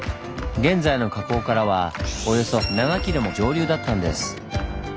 現在の河口からはおよそ７ｋｍも上流だったんです。